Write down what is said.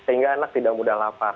sehingga anak tidak mudah lapar